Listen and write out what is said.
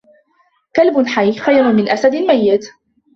كلب حي خير من أسد ميت.